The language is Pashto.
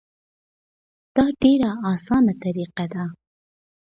دا ډیره اسانه طریقه ده.